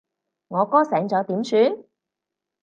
我哥醒咗點算？